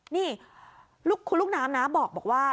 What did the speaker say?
นี่คุณลูกน้ำนะบอกว่า